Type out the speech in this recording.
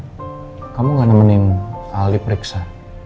oh kamu gak nemenin alih periksa